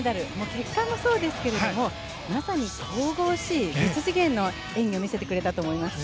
結果もそうですけどまさに神々しい別次元の演技を見せてくれたと思いますね。